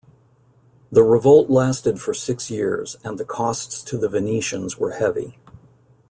The revolt lasted for six years and the costs to the Venetians were heavy.